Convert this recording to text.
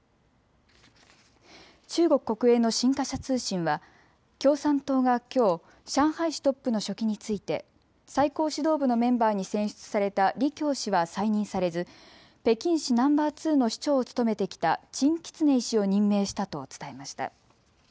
中国国営の新華社通信は共産党がきょう上海市トップの書記について最高指導部のメンバーに選出された李強氏は再任されず北京市ナンバーツーの市長を務めてきた陳吉寧氏を任命したと伝えました。